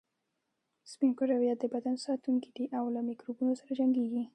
سپین کرویات د بدن ساتونکي دي او له میکروبونو سره جنګیږي